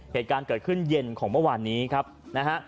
เหตุการณ์เกิดขึ้นเย็นของเมื่อวานนี้ครับนะฮะ